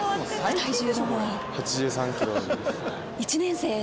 体重の方は？